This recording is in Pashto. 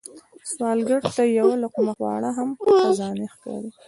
سوالګر ته یو لقمه خواړه هم خزانې ښکاري